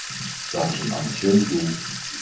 Dat is een ambitieus doel.